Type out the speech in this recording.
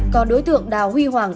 còn đối tượng đào huy hoàng